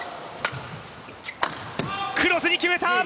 クロスに決めた！